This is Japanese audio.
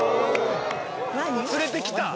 連れてきた！